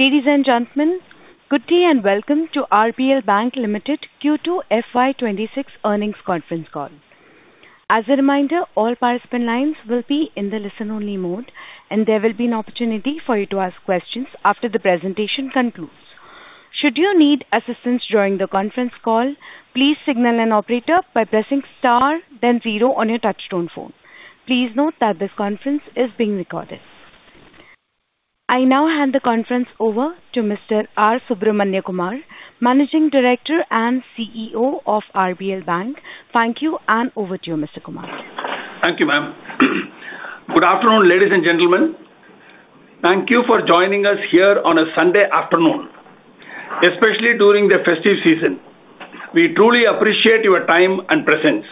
Ladies and gentlemen, good day and welcome to RBL Bank Ltd Q2 FY 2026 earnings conference call. As a reminder, all participant lines will be in the listen-only mode, and there will be an opportunity for you to ask questions after the presentation concludes. Should you need assistance during the conference call, please signal an operator by pressing star, then zero on your touch-tone phone. Please note that this conference is being recorded. I now hand the conference over to Mr. R. Subramaniakumar, Managing Director and CEO of RBL Bank. Thank you and over to you, Mr. Kumar. Thank you, ma'am. Good afternoon, ladies and gentlemen. Thank you for joining us here on a Sunday afternoon, especially during the festive season. We truly appreciate your time and presence.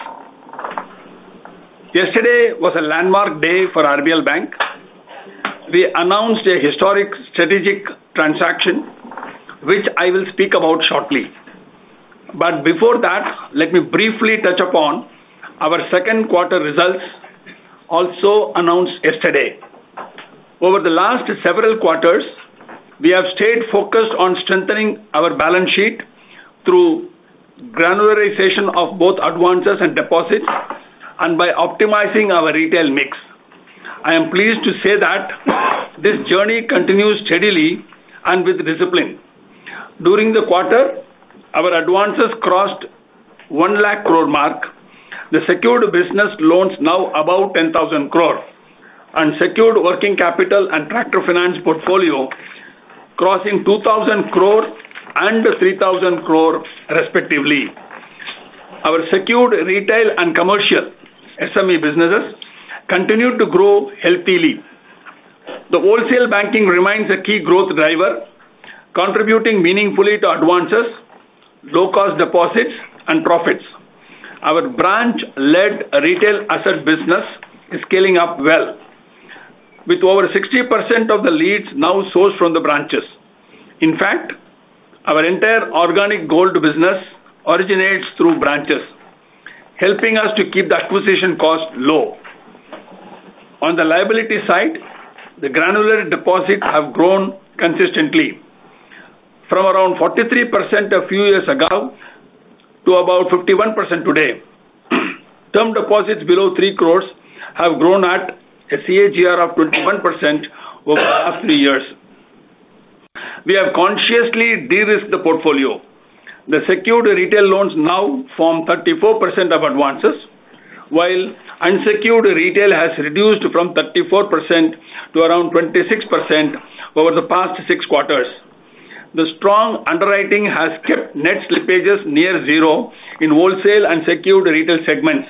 Yesterday was a landmark day for RBL Bank. We announced a historic strategic transaction, which I will speak about shortly. Before that, let me briefly touch upon our second quarter results also announced yesterday. Over the last several quarters, we have stayed focused on strengthening our balance sheet through granularization of both advances and deposits and by optimizing our retail mix. I am pleased to say that this journey continues steadily and with discipline. During the quarter, our advances crossed the 1 lakh crore mark. The secured business loans are now above 10,000 crore, and secured working capital and tractor finance portfolio crossed 2,000 crore and 3,000 crore respectively. Our secured retail and commercial SME businesses continue to grow healthily. Wholesale banking remains a key growth driver, contributing meaningfully to advances, low-cost deposits, and profits. Our branch-led retail asset business is scaling up well, with over 60% of the leads now sourced from the branches. In fact, our entire organic gold business originates through branches, helping us to keep the acquisition cost low. On the liability side, the granular deposits have grown consistently, from around 43% a few years ago to about 51% today. Term deposits below 3 crore have grown at a CAGR of 21% over the past three years. We have consciously de-risked the portfolio. The secured retail loans now form 34% of advances, while unsecured retail has reduced from 34% to around 26% over the past six quarters. The strong underwriting has kept net slippages near zero in wholesale and secured retail segments,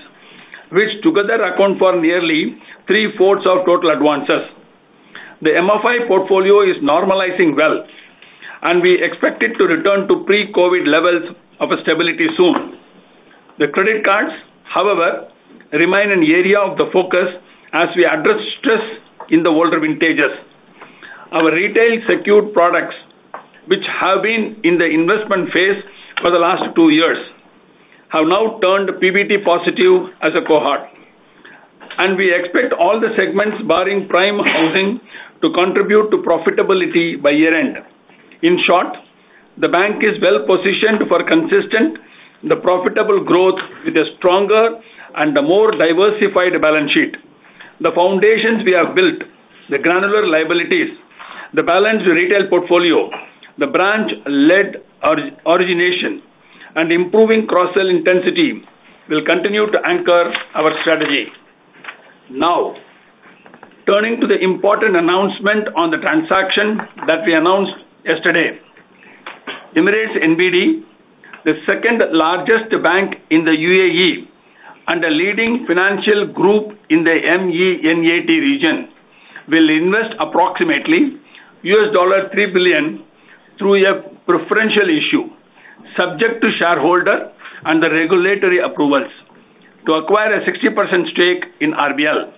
which together account for nearly three-fourths of total advances. The MFI portfolio is normalizing well, and we expect it to return to pre-COVID levels of stability soon. The credit cards, however, remain an area of focus as we address stress in the older vintages. Our retail secured products, which have been in the investment phase for the last two years, have now turned PBT positive as a cohort, and we expect all the segments barring prime housing to contribute to profitability by year-end. In short, the bank is well-positioned for consistent, profitable growth with a stronger and more diversified balance sheet. The foundations we have built, the granular liabilities, the balanced retail portfolio, the branch-led origination, and improving cross-sell intensity will continue to anchor our strategy. Now, turning to the important announcement on the transaction that we announced yesterday, Emirates NBD, the second largest bank in the UAE and a leading financial group in the MENAT region, will invest approximately $3 billion through a preferential issue, subject to shareholder and regulatory approvals, to acquire a 60% stake in RBL Bank.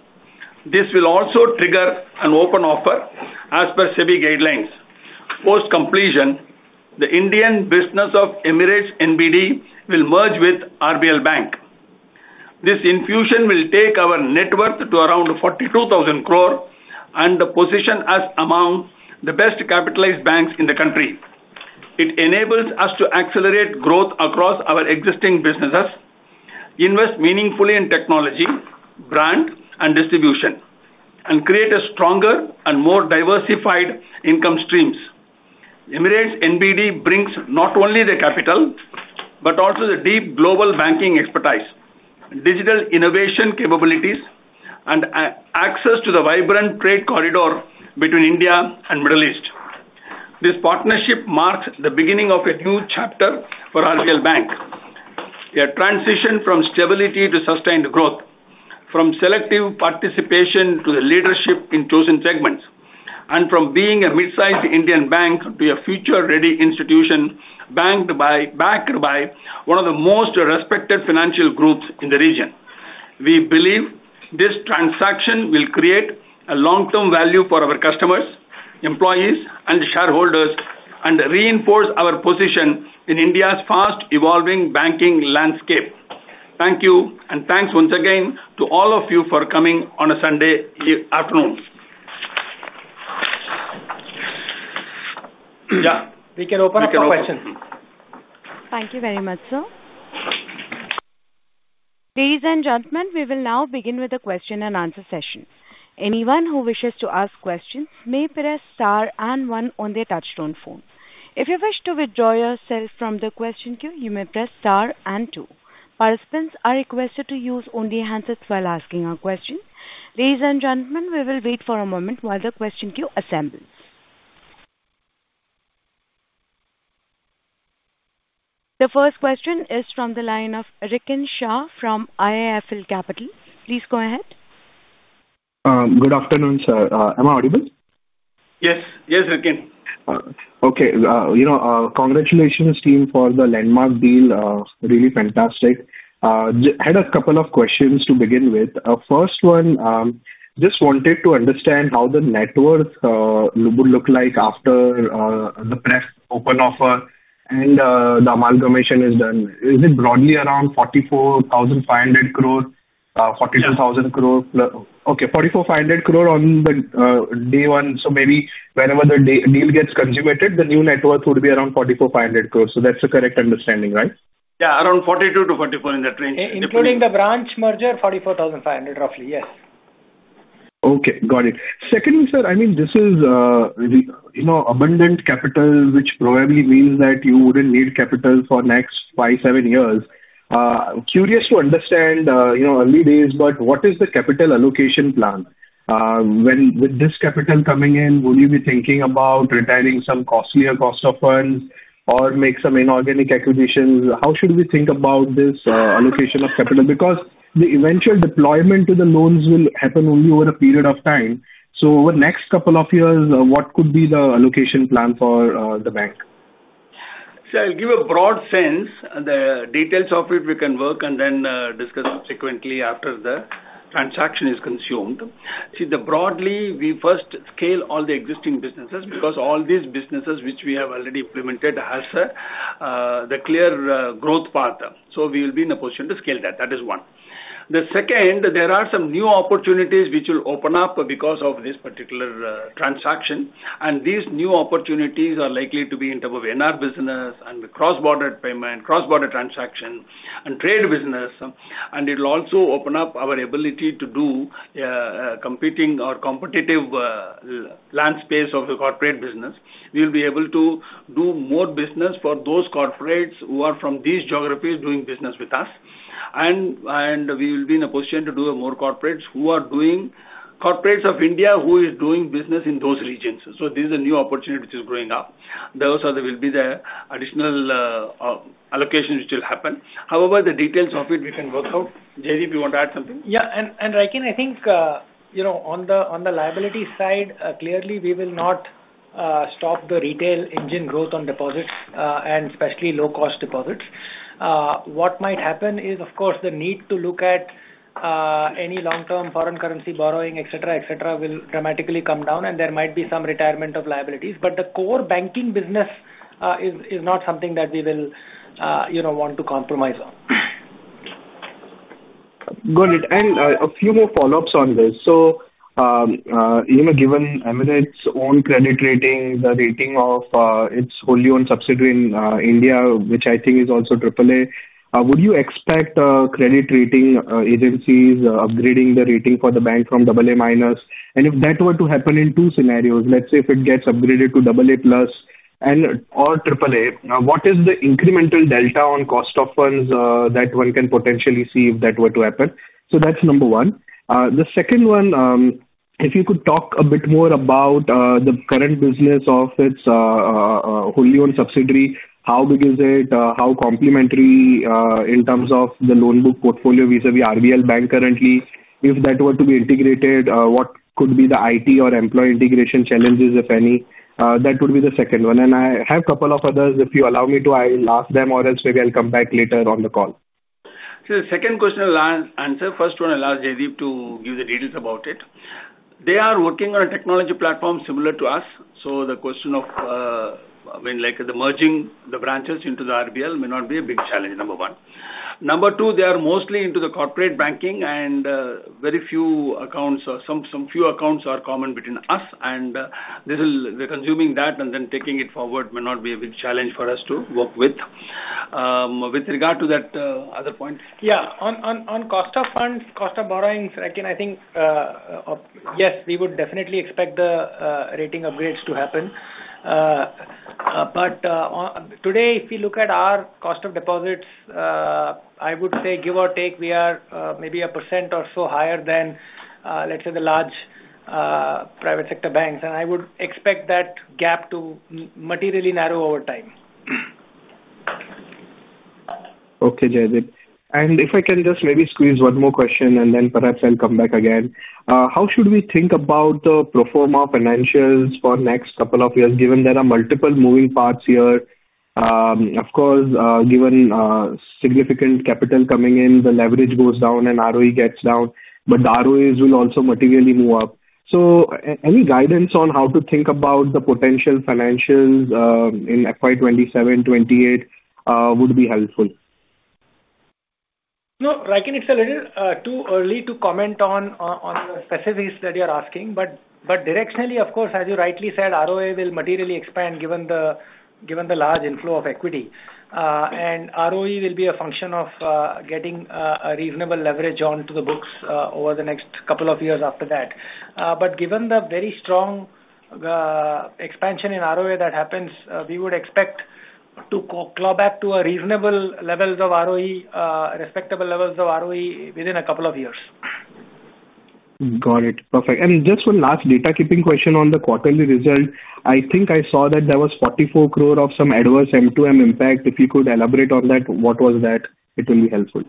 This will also trigger an open offer as per SEBI guidelines. Post completion, the Indian business of Emirates NBD will merge with RBL Bank. This infusion will take our net worth to around 42,000 crore and position us among the best capitalized banks in the country. It enables us to accelerate growth across our existing businesses, invest meaningfully in technology, brand, and distribution, and create a stronger and more diversified income streams. Emirates NBD brings not only the capital but also the deep global banking expertise, digital innovation capabilities, and access to the vibrant trade corridor between India and the Middle East. This partnership marks the beginning of a new chapter for RBL Bank. We have transitioned from stability to sustained growth, from selective participation to the leadership in chosen segments, and from being a mid-sized Indian bank to a future-ready institution backed by one of the most respected financial groups in the region. We believe this transaction will create a long-term value for our customers, employees, and shareholders, and reinforce our position in India's fast-evolving banking landscape. Thank you, and thanks once again to all of you for coming on a Sunday afternoon. Yeah, we can open up the questions. Thank you very much, sir. Ladies and gentlemen, we will now begin with the question-and-answer session. Anyone who wishes to ask questions may press star and one on their touch-tone phone. If you wish to withdraw yourself from the question queue, you may press star and two. Participants are requested to use only handsets while asking our questions. Ladies and gentlemen, we will wait for a moment while the question queue assembles. The first question is from the line of Rikin Shah from IIFL Capital. Please go ahead. Good afternoon, sir. Am I audible? Yes, yes, Rikin. Okay. Congratulations, team, for the landmark deal. Really fantastic. I had a couple of questions to begin with. First one, just wanted to understand how the net worth would look like after the press open offer and the amalgamation is done. Is it broadly around 44,500 crore? 42,000 crore? Okay, 44,500 crore on day one. Maybe whenever the deal gets consummated, the new net worth would be around 44,500 crore. That's the correct understanding, right? Yeah, around 42-44 in that range. Including the branch merger, 44,500 roughly, yes. Okay, got it. Secondly, sir, this is abundant capital, which probably means that you wouldn't need capital for the next five to seven years. Curious to understand, early days, but what is the capital allocation plan? When, with this capital coming in, would you be thinking about retiring some costlier cost of funds or make some inorganic acquisitions? How should we think about this allocation of capital? The eventual deployment to the loans will happen only over a period of time. Over the next couple of years, what could be the allocation plan for the bank? I'll give a broad sense. The details of it, we can work and then discuss subsequently after the transaction is consumed. Broadly, we first scale all the existing businesses because all these businesses which we have already implemented have the clear growth path. We will be in a position to scale that. That is one. The second, there are some new opportunities which will open up because of this particular transaction. These new opportunities are likely to be in terms of NR business and cross-border payment, cross-border transaction, and trade business. It will also open up our ability to do competing or competitive land space of the corporate business. We will be able to do more business for those corporates who are from these geographies doing business with us. We will be in a position to do more corporates who are doing corporates of India who are doing business in those regions. These are new opportunities which are growing up. Those will be the additional allocations which will happen. However, the details of it, we can work out. Jaideep, you want to add something? Yeah, Rikin, I think, you know, on the liability side, clearly, we will not stop the retail engine growth on deposits, especially low-cost deposits. What might happen is, of course, the need to look at any long-term foreign currency borrowing, etc., will dramatically come down. There might be some retirement of liabilities. The core banking business is not something that we will, you know, want to compromise on. Got it. A few more follow-ups on this. Given Emirates NBD's own credit rating, the rating of its wholly owned subsidiary in India, which I think is also AAA, would you expect credit rating agencies upgrading the rating for the bank from AA minus? If that were to happen in two scenarios, let's say if it gets upgraded to AA plus and/or AAA, what is the incremental delta on cost of funds that one can potentially see if that were to happen? That's number one. The second one, if you could talk a bit more about the current business of its wholly owned subsidiary, how big is it, how complementary in terms of the loan book portfolio vis-à-vis RBL Bank currently, if that were to be integrated, what could be the IT or employee integration challenges, if any? That would be the second one. I have a couple of others. If you allow me to, I'll ask them, or else maybe I'll come back later on the call. The second question I'll answer. The first one, I'll ask Jaideep to give the details about it. They are working on a technology platform similar to us. The question of merging the branches into RBL Bank may not be a big challenge, number one. Number two, they are mostly into the corporate banking, and very few accounts or some few accounts are common between us. This will be consuming that, and then taking it forward may not be a big challenge for us to work with. With regard to that other point. Yeah, on cost of funds, cost of borrowings, Rikin, I think, yes, we would definitely expect the rating upgrades to happen. Today, if you look at our cost of deposits, I would say, give or take, we are maybe a percent or so higher than, let's say, the large private sector banks. I would expect that gap to materially narrow over time. Okay, Jaideep. If I can just maybe squeeze one more question, then perhaps I'll come back again. How should we think about the pro forma financials for the next couple of years, given there are multiple moving parts here? Of course, given significant capital coming in, the leverage goes down and ROE gets down. The ROEs will also materially move up. Any guidance on how to think about the potential financials in FY 2027-2028 would be helpful. No, Rikin, it's a little too early to comment on the specifics that you're asking. Directionally, of course, as you rightly said, ROA will materially expand given the large inflow of equity. ROE will be a function of getting a reasonable leverage onto the books over the next couple of years after that. Given the very strong expansion in ROA that happens, we would expect to claw back to a reasonable level of ROE, respectable levels of ROE within a couple of years. Got it. Perfect. Just one last data-keeping question on the quarterly result. I think I saw that there was 44 crore of some adverse M2M impact. If you could elaborate on that, what was that? It will be helpful.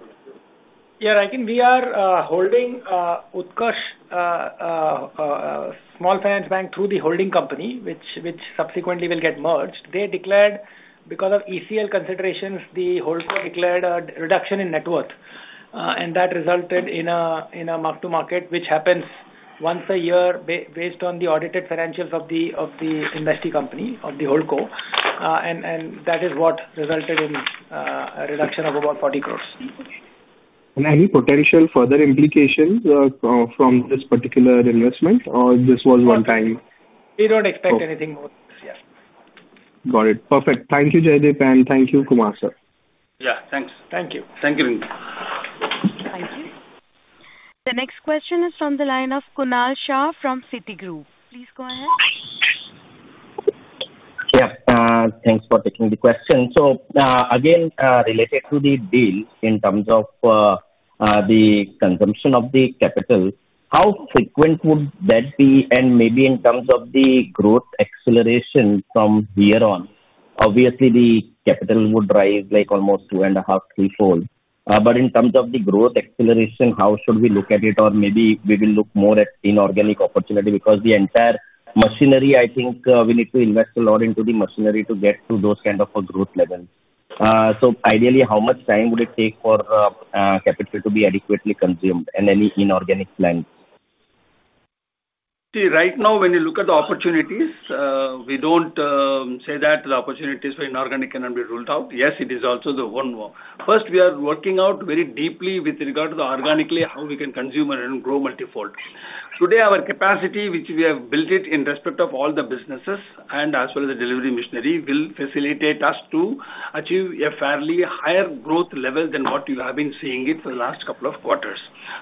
Yeah, Rikin, we are holding Utkarsh, a small finance bank through the holding company, which subsequently will get merged. They declared, because of ECL considerations, the Holdco declared a reduction in net worth. That resulted in a mark-to-market, which happens once a year based on the audited financials of the investing company of the Holdco. That is what resulted in a reduction of about 40 crore. Is there any potential further implications from this particular investment, or was this one time? We don't expect anything more. Yeah. Got it. Perfect. Thank you, Jaideep, and thank you, Kumar Sir. Yeah, thanks. Thank you. Thank you, Rikin. The next question is from the line of Kunal Shah from Citi Group. Please go ahead. Yeah, thanks for taking the question. Again, related to the deal in terms of the consumption of the capital, how frequent would that be? Maybe in terms of the growth acceleration from here on, obviously, the capital would rise like almost two and a half, threefold. In terms of the growth acceleration, how should we look at it? Maybe we will look more at inorganic opportunity because the entire machinery, I think we need to invest a lot into the machinery to get to those kinds of growth levels. Ideally, how much time would it take for capital to be adequately consumed and any inorganic plans? See, right now, when you look at the opportunities, we don't say that the opportunities for inorganic cannot be ruled out. Yes, it is also the one one. First, we are working out very deeply with regard to organically how we can consume and grow multifold. Today, our capacity, which we have built in respect of all the businesses and as well as the delivery machinery, will facilitate us to achieve a fairly higher growth level than what you have been seeing for the last couple of quarters.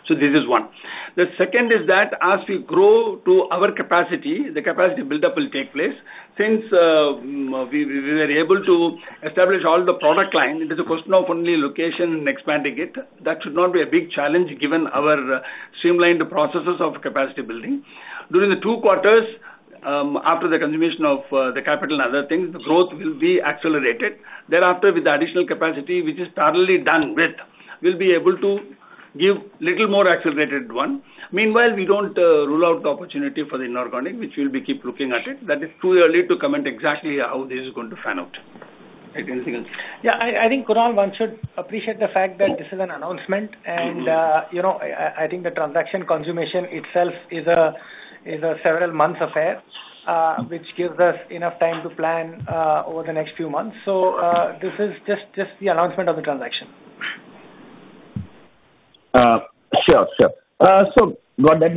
This is one. The second is that as we grow to our capacity, the capacity buildup will take place. Since we were able to establish all the product line, it is a question of only location and expanding it. That should not be a big challenge given our streamlined processes of capacity building. During the two quarters, after the consummation of the capital and other things, the growth will be accelerated. Thereafter, with the additional capacity, which is thoroughly done with, we'll be able to give a little more accelerated one. Meanwhile, we don't rule out the opportunity for the inorganic, which we'll keep looking at. That is too early to comment exactly how this is going to pan out. Anything else? Yeah, I think Kunal should appreciate the fact that this is an announcement. I think the transaction consummation itself is a several months affair, which gives us enough time to plan over the next few months. This is just the announcement of the transaction. Sure. So got that.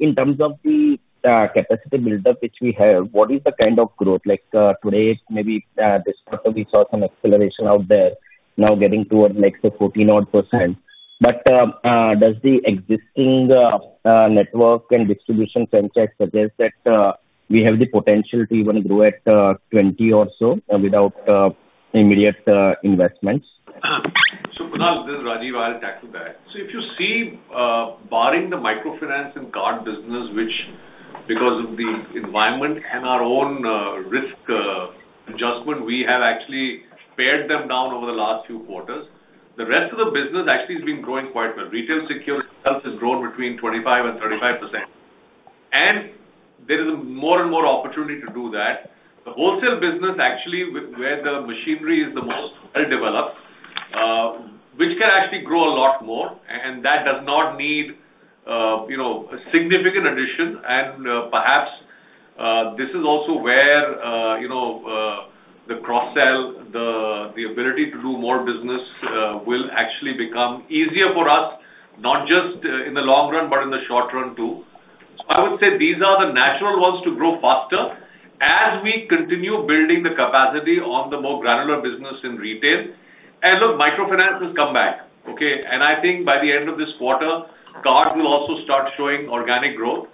In terms of the capacity buildup which we have, what is the kind of growth? Like today, maybe this quarter we saw some acceleration out there, now getting towards like the 14% odd. Does the existing network and distribution franchise suggest that we have the potential to even grow at 20% or so without immediate investments? Kunal, this is Rajeev. I'll tackle that. If you see, barring the microfinance and card business, which because of the environment and our own risk adjustment, we have actually pared them down over the last few quarters, the rest of the business actually has been growing quite well. Retail security itself has grown between 25% and 35%, and there is more and more opportunity to do that. The wholesale business, where the machinery is the most well-developed, can actually grow a lot more. That does not need a significant addition. Perhaps this is also where the cross-sell, the ability to do more business, will actually become easier for us, not just in the long run, but in the short run too. I would say these are the natural ones to grow faster as we continue building the capacity on the more granular business in retail. Look, microfinance will come back. I think by the end of this quarter, cards will also start showing organic growth.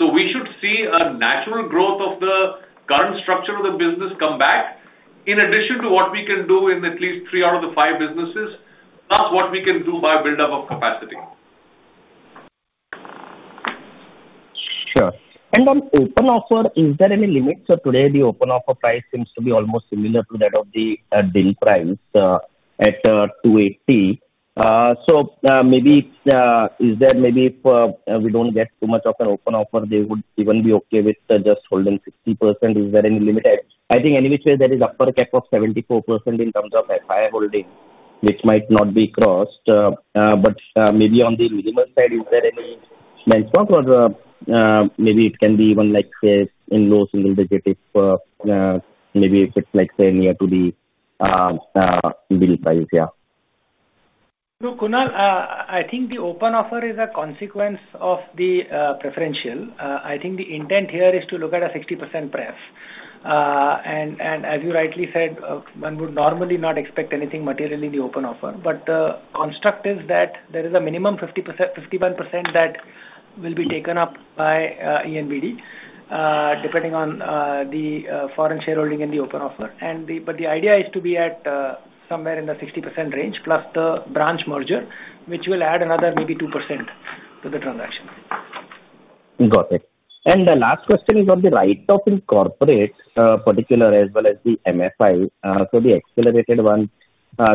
We should see a natural growth of the current structure of the business come back in addition to what we can do in at least three out of the five businesses, plus what we can do by a buildup of capacity. Sure. On open offer, is there any limit? Today, the open offer price seems to be almost similar to that of the deal price at 280. Is there maybe, if we don't get too much of an open offer, they would even be okay with just holding 60%? Is there any limit? I think any which way there is an upper cap of 74% in terms of FII holding, which might not be crossed. Maybe on the minimum side, is there any benchmark? Or maybe it can be even, like, say, in low single digit if it's near to the deal price. Yeah. Kunal, I think the open offer is a consequence of the preferential. I think the intent here is to look at a 60% pref. As you rightly said, one would normally not expect anything material in the open offer. The construct is that there is a minimum 51% that will be taken up by Emirates NBD, depending on the foreign shareholding in the open offer. The idea is to be at somewhere in the 60% range, plus the branch merger, which will add another maybe 2% to the transaction. Got it. The last question is on the rights of incorporate particular as well as the MFI. The accelerated one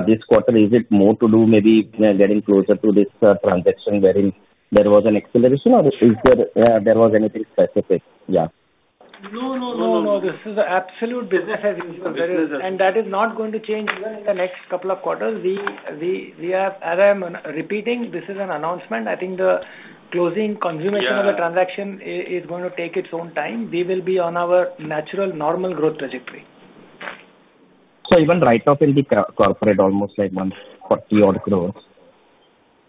this quarter, is it more to do maybe getting closer to this transaction wherein there was an acceleration? Or was there anything specific? No, no, no, no, no. This is an absolute business as usual. That is not going to change even in the next couple of quarters. As I'm repeating, this is an announcement. I think the closing consummation of the transaction is going to take its own time. We will be on our natural normal growth trajectory. Even right off in the corporate, almost like 140 crore.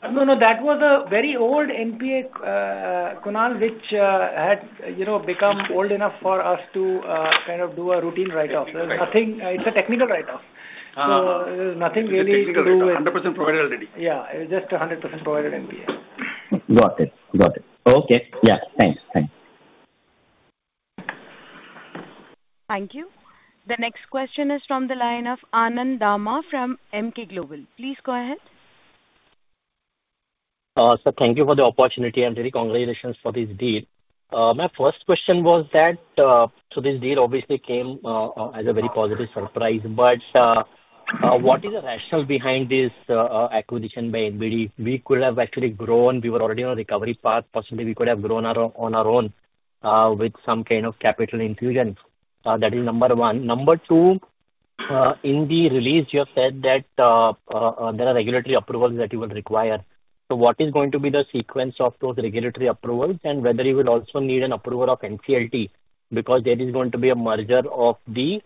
No, no, that was a very old NPA, Kunal, which had become old enough for us to kind of do a routine write-off. It's a technical write-off. There's nothing really to do with it. 100% provided already. Yeah, it's just 100% provided NPA. Got it. Okay. Yeah, thanks. Thanks. Thank you. The next question is from the line of Anand Dama from Emkay Global. Please go ahead. Sir, thank you for the opportunity and really congratulations for this deal. My first question was that, this deal obviously came as a very positive surprise. What is the rationale behind this acquisition by Emirates NBD? We could have actually grown. We were already on a recovery path. Possibly, we could have grown on our own with some kind of capital infusion. That is number one. Number two, in the release, you have said that there are regulatory approvals that you will require. What is going to be the sequence of those regulatory approvals and whether you will also need an approval of NCLT because there is going to be a merger of the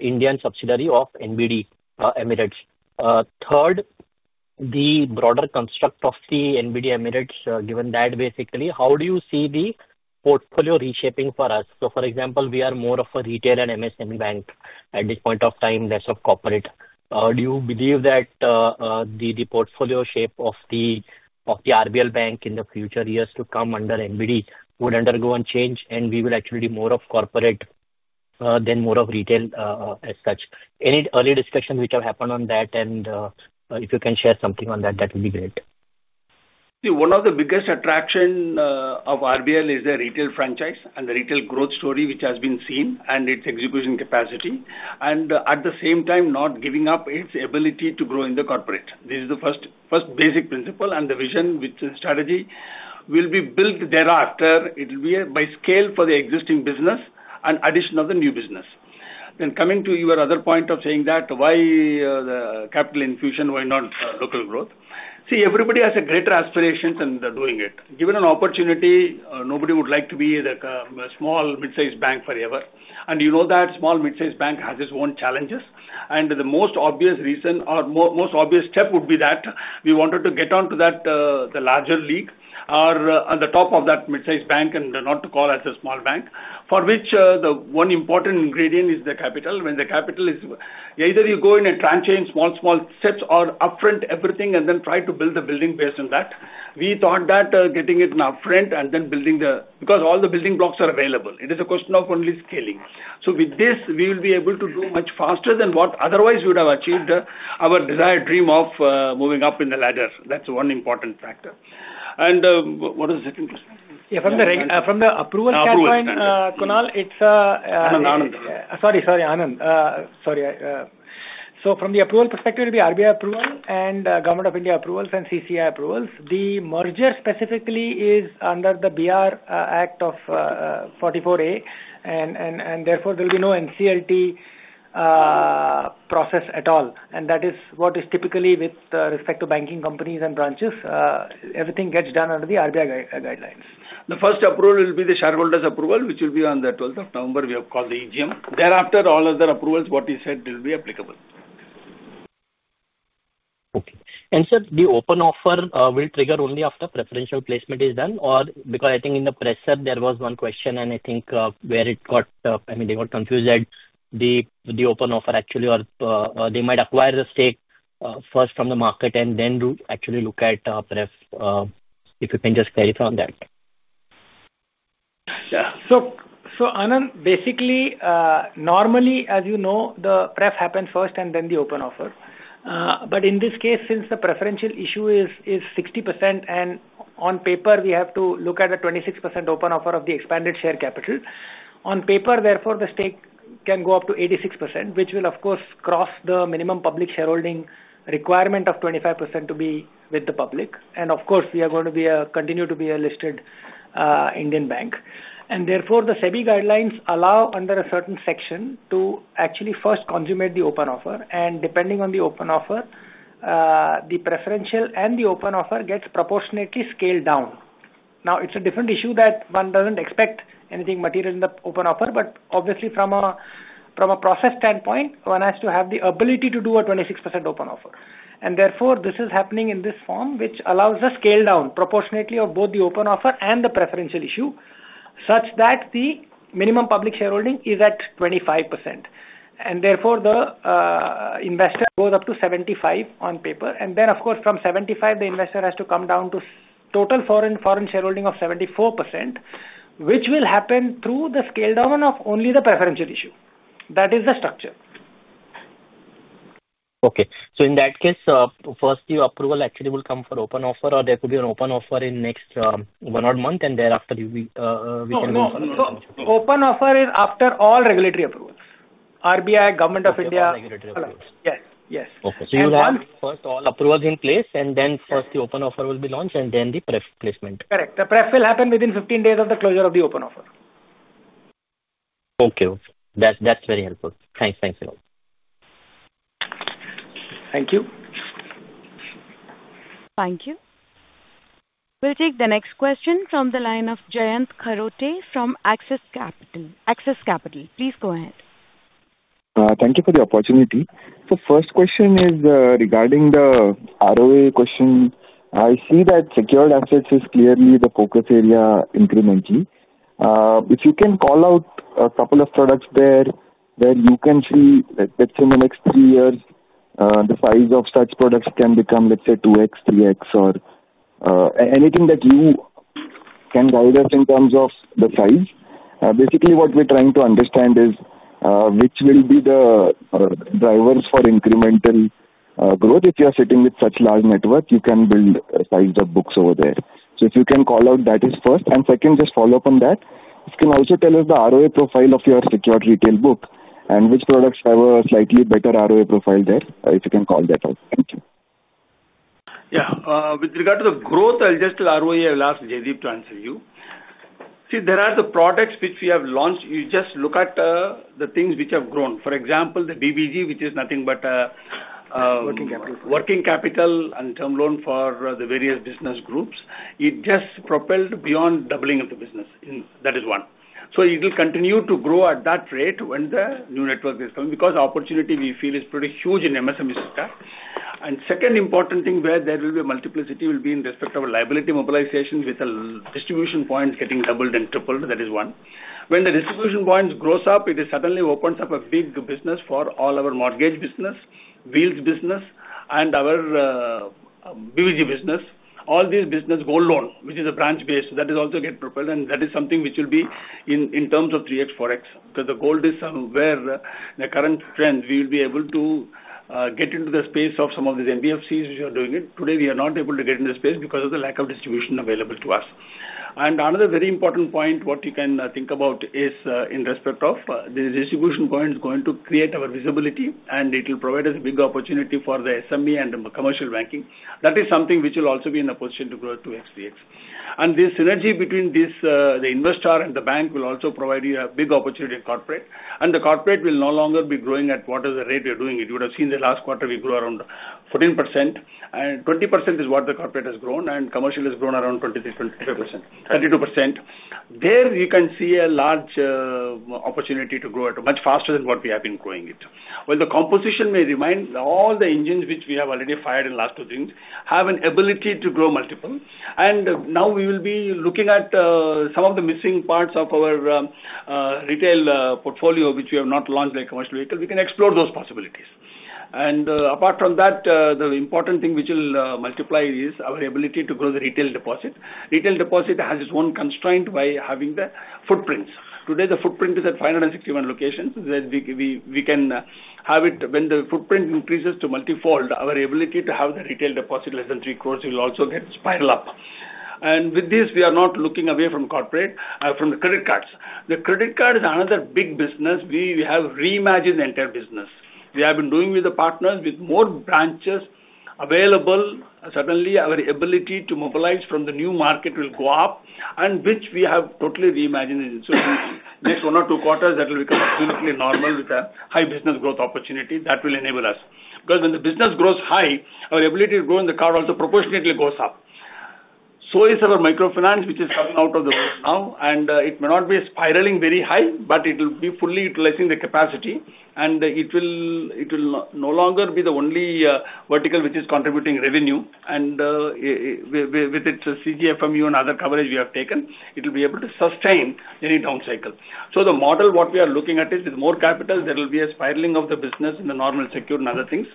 Indian subsidiary of Emirates NBD? Third, the broader construct of Emirates NBD, given that basically, how do you see the portfolio reshaping for us? For example, we are more of a retail and MSM bank at this point of time, less of corporate. Do you believe that the portfolio shape of RBL Bank in the future years to come under Emirates NBD would undergo a change and we will actually be more of corporate than more of retail as such? Any early discussions which have happened on that? If you can share something on that, that would be great. See, one of the biggest attractions of RBL Bank is the retail franchise and the retail growth story which has been seen and its execution capacity. At the same time, not giving up its ability to grow in the corporate. This is the first basic principle and the vision, which is strategy, will be built thereafter. It will be by scale for the existing business and addition of the new business. Coming to your other point of saying that, why the capital infusion? Why not local growth? Everybody has a greater aspiration than they're doing it. Given an opportunity, nobody would like to be a small mid-sized bank forever. You know that small mid-sized bank has its own challenges. The most obvious reason or most obvious step would be that we wanted to get onto that larger league or on the top of that mid-sized bank and not to call as a small bank, for which the one important ingredient is the capital. When the capital is either you go in a tranche in small, small steps or upfront everything and then try to build the building based on that. We thought that getting it in upfront and then building because all the building blocks are available. It is a question of only scaling. With this, we will be able to do much faster than what otherwise we would have achieved our desired dream of moving up in the ladder. That's one important factor. What was the second question? Those are in place, the preferential issue and open offer can proceed as planned. Anand, Anand. Sorry, Anand. Sorry. From the approval perspective, it will be RBI approval, Government of India approvals, and CCI approvals. The merger specifically is under the BR Act of 44A. Therefore, there will be no NCLT process at all. That is what is typically with respect to banking companies and branches. Everything gets done under the RBI guidelines. The first approval will be the shareholders' approval, which will be on the 12th of November. We have called the AGM. Thereafter, all other approvals, what is said, will be applicable. Okay. Sir, the open offer will trigger only after the preferential placement is done? I think in the presser, there was one question where it got confused that the open offer actually, or they might acquire the stake first from the market and then actually look at pref. If you can just clarify on that. Yeah. Anand, basically, normally, as you know, the pref happens first and then the open offer. In this case, since the preferential issue is 60%, and on paper, we have to look at the 26% open offer of the expanded share capital. On paper, therefore, the stake can go up to 86%, which will, of course, cross the minimum public shareholding requirement of 25% to be with the public. We are going to continue to be a listed Indian bank. Therefore, the SEBI guidelines allow under a certain section to actually first consummate the open offer. Depending on the open offer, the preferential and the open offer get proportionately scaled down. Now, it's a different issue that one doesn't expect anything material in the open offer. Obviously, from a process standpoint, one has to have the ability to do a 26% open offer. Therefore, this is happening in this form, which allows us to scale down proportionately both the open offer and the preferential issue, such that the minimum public shareholding is at 25%. Therefore, the investor goes up to 75% on paper. Then, of course, from 75%, the investor has to come down to total foreign shareholding of 74%, which will happen through the scale down of only the preferential issue. That is the structure. Okay. In that case, first, your approval actually will come for open offer, or there could be an open offer in the next one odd month, and thereafter, we can go for a preferential. The open offer is after all regulatory approvals, RBI, Government of India. Regulatory approvals. Yes, yes. Okay. You have first all approvals in place, and then first, the open offer will be launched, and then the preferential placement. Correct. The preferential issue will happen within 15 days of the closure of the open offer. Okay, that's very helpful. Thanks, thanks a lot. Thank you. Thank you. We'll take the next question from the line of Jayant Kharote from Access Capital. Axis Capital, please go ahead. Thank you for the opportunity. First question is regarding the ROA question. I see that secured assets is clearly the focus area incrementally. If you can call out a couple of products there where you can see, let's say, in the next three years, the size of such products can become, let's say, 2X, 3X, or anything that you can guide us in terms of the size. Basically, what we're trying to understand is which will be the drivers for incremental growth. If you are sitting with such large networks, you can build size of books over there. If you can call out that as first. Second, just follow up on that. You can also tell us the ROA profile of your secured retail book and which products have a slightly better ROA profile there, if you can call that out. Thank you. Yeah. With regard to the growth, I'll just ROA, I'll ask Jaideep to answer you. See, there are the products which we have launched. You just look at the things which have grown. For example, the DBG, which is nothing but. Working capital. Working capital and term loan for the various business groups. It just propelled beyond doubling of the business. That is one. It will continue to grow at that rate when the new network is coming because the opportunity we feel is pretty huge in MSME sector. Second important thing where there will be a multiplicity will be in respect of a liability mobilization with the distribution points getting doubled and tripled. That is one. When the distribution points grow up, it suddenly opens up a big business for all our mortgage business, wheels business, and our BBG business. All these businesses go alone, which is a branch-based. That is also getting propelled. That is something which will be in terms of 3X, 4X. Because the goal is somewhere the current trend, we will be able to get into the space of some of these NBFCs which are doing it. Today, we are not able to get into the space because of the lack of distribution available to us. Another very important point, what you can think about is in respect of the distribution point is going to create our visibility, and it will provide us a big opportunity for the SME and commercial banking. That is something which will also be in a position to grow 2X, 3X. This synergy between the investor and the bank will also provide you a big opportunity in corporate. The corporate will no longer be growing at what is the rate we are doing. If you would have seen the last quarter, we grew around 14%. 20% is what the corporate has grown. Commercial has grown around 23%, 22%. There, you can see a large opportunity to grow at much faster than what we have been growing it. The composition may remind all the engines which we have already fired in the last two things have an ability to grow multiple. Now we will be looking at some of the missing parts of our retail portfolio, which we have not launched like commercial vehicles. We can explore those possibilities. Apart from that, the important thing which will multiply is our ability to grow the retail deposit. Retail deposit has its own constraint by having the footprints. Today, the footprint is at 561 locations. We can have it when the footprint increases to multifold, our ability to have the retail deposit less than 3 crore will also get spiraled up. With this, we are not looking away from corporate, from the credit cards. The credit card is another big business. We have reimagined the entire business. We have been doing with the partners with more branches available. Suddenly, our ability to mobilize from the new market will go up, which we have totally reimagined. In the next one or two quarters, that will become absolutely normal with a high business growth opportunity that will enable us. When the business grows high, our ability to grow in the card also proportionately goes up. Our microfinance, which is coming out of the roof now, may not be spiraling very high, but it will be fully utilizing the capacity. It will no longer be the only vertical which is contributing revenue. With its CGFMU and other coverage we have taken, it will be able to sustain any down cycle. The model we are looking at is with more capital, there will be a spiraling of the business in the normal secured and other things,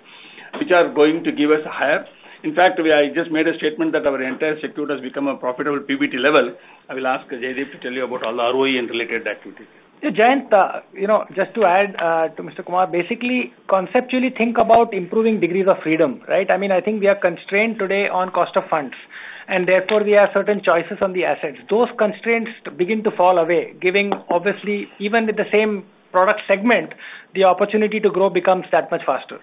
which are going to give us a higher. In fact, I just made a statement that our entire secured has become a profitable PBT level. I will ask Jaideep to tell you about all the ROE and related activities. Yeah, Jayant, just to add to Mr. Kumar, basically, conceptually, think about improving degrees of freedom, right? I mean, I think we are constrained today on cost of funds. Therefore, we have certain choices on the assets. Those constraints begin to fall away, giving, obviously, even with the same product segment, the opportunity to grow becomes that much faster.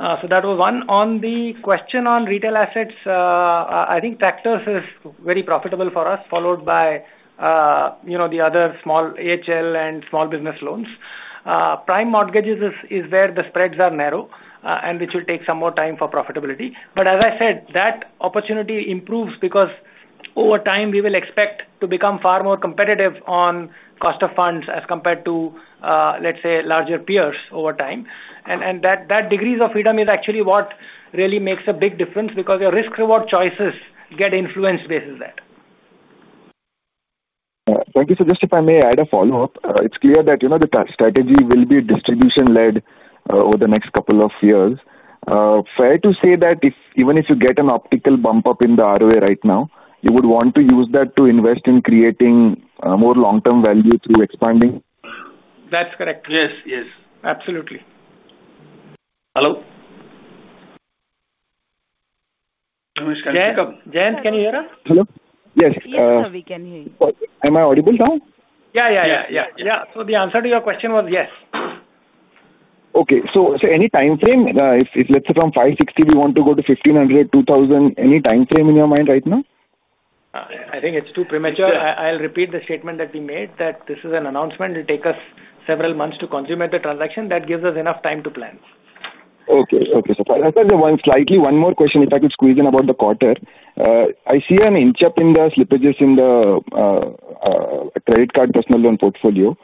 That was one. On the question on retail assets, I think tractors is very profitable for us, followed by, you know, the other small AHL and small business loans. Prime mortgages is where the spreads are narrow, which will take some more time for profitability. As I said, that opportunity improves because over time, we will expect to become far more competitive on cost of funds as compared to, let's say, larger peers over time. That degrees of freedom is actually what really makes a big difference because your risk-reward choices get influenced based on that. Thank you. If I may add a follow-up, it's clear that the strategy will be distribution-led over the next couple of years. Fair to say that even if you get an optical bump up in the ROA right now, you would want to use that to invest in creating more long-term value through expanding? That's correct. Yes, yes, absolutely. Hello? Yes, Jayant? Jaideep, can you hear us? Hello? Yes. Yes, we can hear you. Am I audible now? Yeah. The answer to your question was yes. Okay. Any time frame, if let's say from 560, we want to go to 1,500, 2,000, any time frame in your mind right now? I think it's too premature. I'll repeat the statement that we made: this is an announcement. It will take us several months to consummate the transaction. That gives us enough time to plan. Okay, okay. That's the one. Slightly, one more question, if I could squeeze in about the quarter. I see an inch up in the slippages in the credit card personal loan portfolio.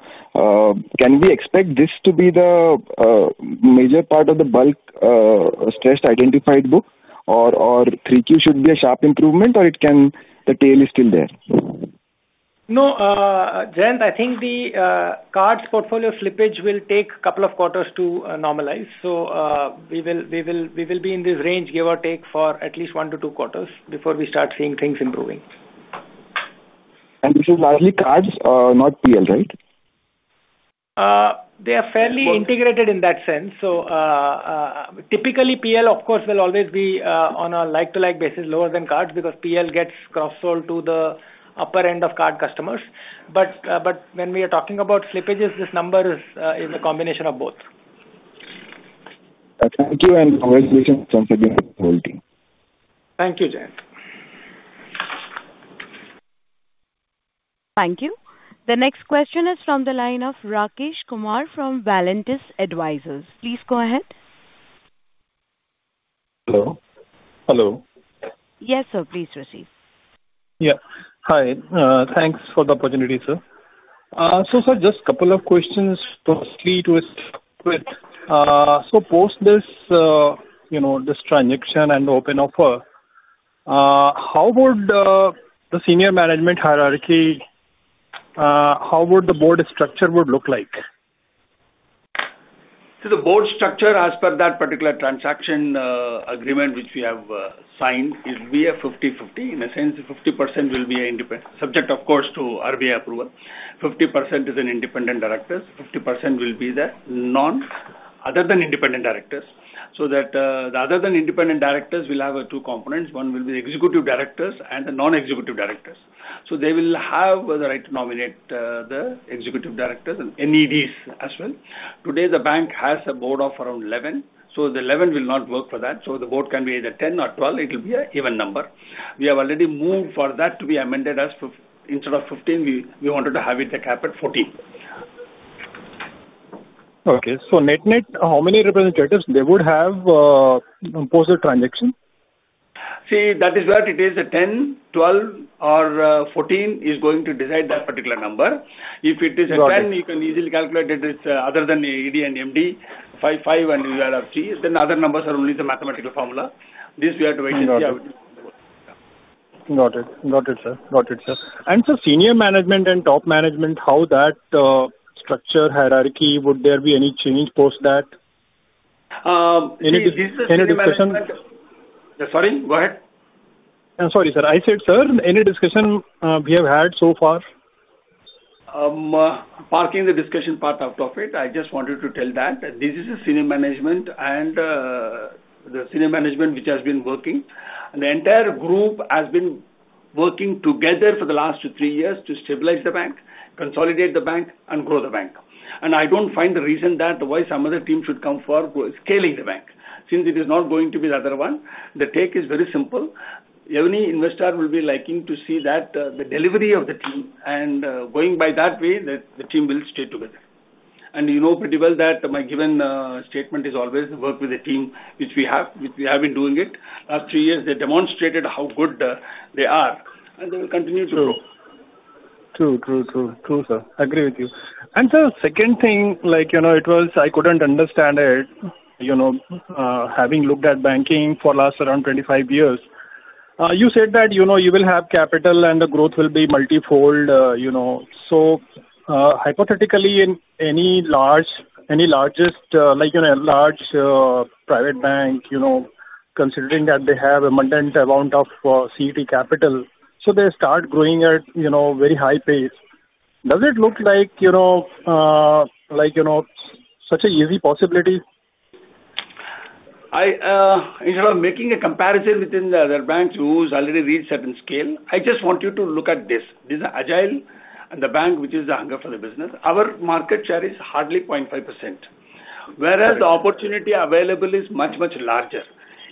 Can we expect this to be the major part of the bulk stretched identified book? Or 3Q should be a sharp improvement, or the tail is still there? No, Jayant, I think the cards portfolio slippage will take a couple of quarters to normalize. We will be in this range, give or take, for at least one to two quarters before we start seeing things improving. This is largely cards, not PL, right? They are fairly integrated in that sense. Typically, PL, of course, will always be on a like-to-like basis, lower than cards, because PL gets cross-sold to the upper end of card customers. When we are talking about slippages, this number is a combination of both. Thank you, and congratulations once again to the whole team. Thank you, Jaideep. Thank you. The next question is from the line of Rakesh Kumar from Valentis Advisors. Please go ahead. Hello? Hello? Yes, sir. Please proceed. Yeah. Hi. Thanks for the opportunity, sir. Just a couple of questions, possibly to start with. Post this transaction and the open offer, how would the senior management hierarchy, how would the board structure look like? The board structure, as per that particular transaction agreement which we have signed, is we have 50/50. In a sense, the 50% will be subject, of course, to RBI approval. 50% is in independent directors. 50% will be the non-other-than-independent directors. The other-than-independent directors will have two components. One will be the executive directors and the non-executive directors. They will have the right to nominate the executive directors and NEDs as well. Today, the bank has a board of around 11. The 11 will not work for that. The board can be either 10 or 12. It will be an even number. We have already moved for that to be amended as instead of 15, we wanted to have it a cap at 14. Okay. Net-net, how many representatives would they have post the transaction? See, that is where it is a 10, 12, or 14 is going to decide that particular number. If it is a 10, you can easily calculate it. It's other than AD and MD, 55, and you add up C. Then other numbers are only the mathematical formula. This we are to wait and see how it is in the board. Got it, sir. Senior management and top management, how that structure hierarchy, would there be any change post that? This is a Senior Management. Sorry, go ahead. Sorry, sir. Any discussion we have had so far? Parking the discussion part out of it, I just wanted to tell that this is a Senior Management and the Senior Management which has been working. The entire group has been working together for the last two to three years to stabilize the bank, consolidate the bank, and grow the bank. I don't find a reason that why some other team should come for scaling the bank. Since it is not going to be the other one, the take is very simple. Every investor will be liking to see that the delivery of the team and going by that way that the team will stay together. You know pretty well that my given statement is always work with the team which we have, which we have been doing it. Last three years, they demonstrated how good they are. They will continue to grow. True, true, true, true, sir. Agree with you. Sir, the second thing, like, you know, it was I couldn't understand it. You know, having looked at banking for the last around 25 years, you said that you know, you will have capital and the growth will be multifold. Hypothetically, in any large, any largest, like, you know, a large private bank, you know, considering that they have a moderate amount of CET capital, they start growing at, you know, very high pace. Does it look like, you know, like, you know, such an easy possibility? Instead of making a comparison within the other banks who already reached a certain scale, I just want you to look at this. This is Agile and the bank which is the hunger for the business. Our market share is hardly 0.5%. Whereas the opportunity available is much, much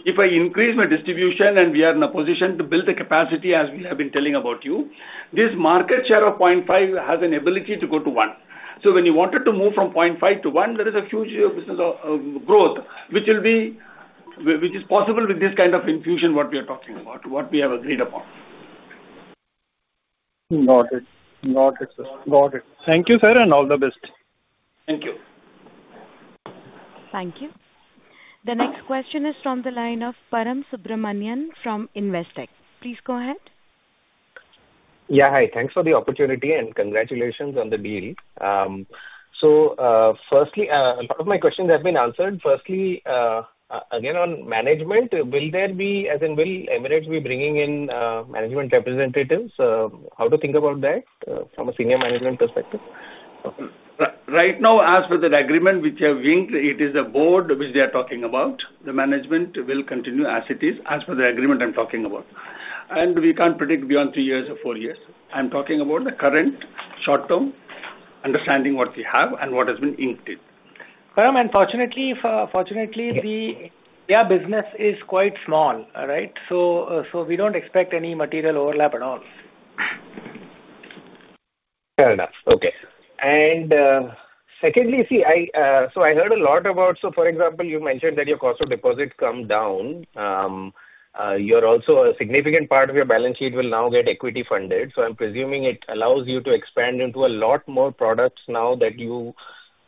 larger. If I increase my distribution and we are in a position to build the capacity as we have been telling about you, this market share of 0.5% has an ability to go to 1%. When you wanted to move from 0.5% to 1%, there is a huge business growth, which will be, which is possible with this kind of infusion what we are talking about, what we have agreed upon. Got it. Got it, sir. Got it. Thank you, sir, and all the best. Thank you. Thank you. The next question is from the line of Param Subramanian from Investec. Please go ahead. Yeah, hi. Thanks for the opportunity and congratulations on the deal. Firstly, a lot of my questions have been answered. Again, on management, will there be, as in, will Emirates NBD be bringing in management representatives? How to think about that from a senior management perspective? Right now, as per the agreement which I have inked, it is the board which they are talking about. The management will continue as it is as per the agreement I'm talking about. We can't predict beyond three years or four years. I'm talking about the current short-term understanding we have and what has been inked in. Faram, and fortunately, the business is quite small, right? We don't expect any material overlap at all. Fair enough. Okay. Secondly, I heard a lot about, for example, you mentioned that your cost of deposits has come down. You're also a significant part of your balance sheet will now get equity funded. I'm presuming it allows you to expand into a lot more products now that you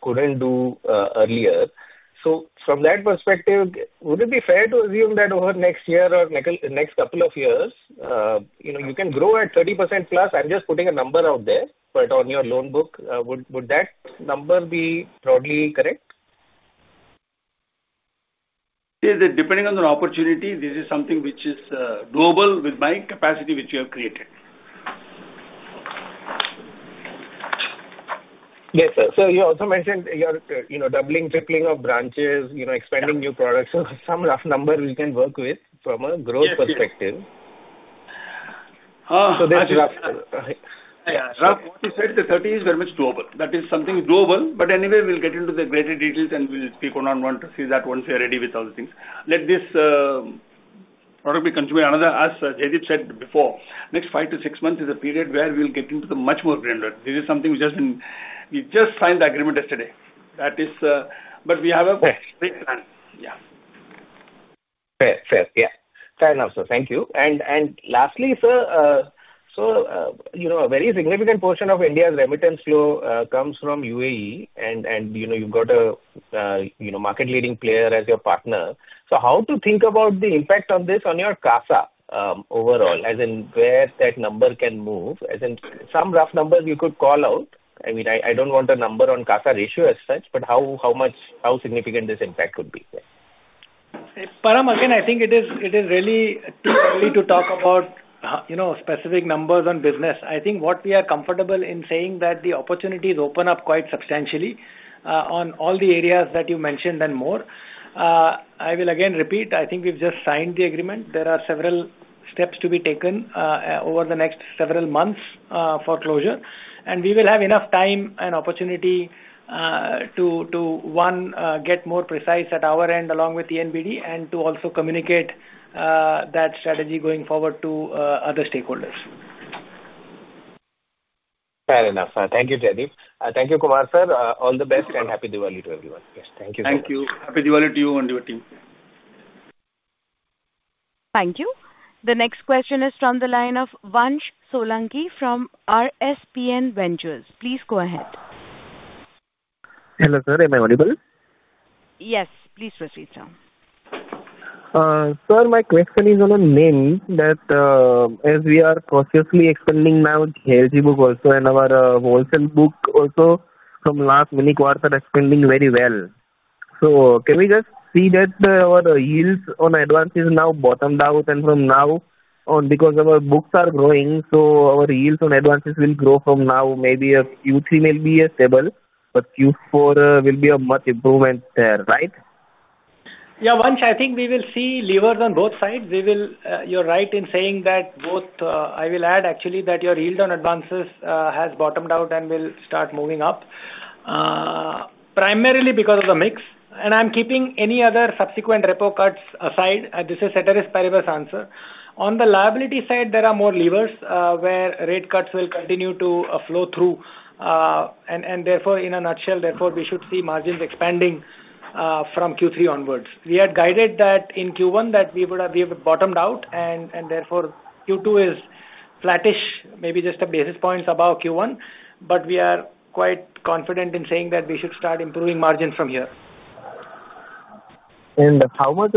couldn't do earlier. From that perspective, would it be fair to assume that over the next year or next couple of years, you can grow at 30%+? I'm just putting a number out there, but on your loan book, would that number be broadly correct? Yes, depending on the opportunity, this is something which is global with my capacity, which we have created. Yes, sir. You also mentioned you're doubling, tripling of branches, expanding new products. Some rough number we can work with from a growth perspective. Yeah, what you said, the 30 is very much global. That is something global. Anyway, we'll get into the greater details and we'll pick one on one to see that once we are ready with all the things. Let this product be consummated. As Jaideep said before, the next five to six months is a period where we'll get into the much more granular. This is something we just signed the agreement yesterday. That is, but we have a great plan. Yeah. Fair, fair. Yeah. Fair enough, sir. Thank you. Lastly, sir, a very significant portion of India's remittance flow comes from UAE. You've got a market-leading player as your partner. How to think about the impact of this on your CASA overall, as in where that number can move, as in some rough numbers you could call out? I mean, I don't want a number on CASA ratio as such, but how much, how significant this impact could be? Param, again, I think it is really too early to talk about specific numbers on business. I think what we are comfortable in saying is that the opportunities open up quite substantially on all the areas that you mentioned and more. I will again repeat, I think we've just signed the agreement. There are several steps to be taken over the next several months for closure. We will have enough time and opportunity to, one, get more precise at our end along with Emirates NBD and to also communicate that strategy going forward to other stakeholders. Fair enough, sir. Thank you, Jaideep. Thank you, Kumar sir. All the best and happy Diwali to everyone. Yes, thank you, sir. Thank you. Happy Diwali to you and your team. Thank you. The next question is from the line of Vansh Solanki from RSPN Ventures. Please go ahead. Hello, sir. Am I audible? Yes, please proceed, sir. Sir, my question is on a name that, as we are cautiously expanding now, KLC book also and our wholesale book also from last minute, we are expanding very well. Can we just see that our yields on advances now bottomed out? From now on, because our books are growing, our yields on advances will grow from now. Maybe Q3 may be stable, but Q4 will be a much improvement there, right? Yeah, Vansh, I think we will see levers on both sides. You're right in saying that both, I will add actually that your yield on advances has bottomed out and will start moving up primarily because of the mix. I'm keeping any other subsequent repo cuts aside. This is a satirist's perverse answer. On the liability side, there are more levers where rate cuts will continue to flow through. Therefore, in a nutshell, we should see margins expanding from Q3 onwards. We are guided that in Q1 that we would have, we have bottomed out. Therefore, Q2 is flattish, maybe just a basis point above Q1. We are quite confident in saying that we should start improving margins from here. How much